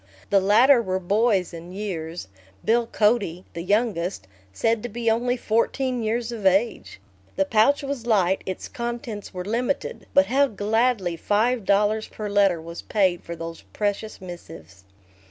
The latter were boys in years Bill Cody, the youngest, said to be only fourteen years of age. The pouch was light, its contents were limited but how gladly five dollars per letter was paid for those precious missives.